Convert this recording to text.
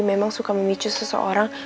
memang suka memicu seseorang